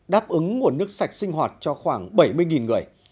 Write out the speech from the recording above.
đáp ứng nguồn nước sạch sinh hoạt cho khoảng bảy mươi người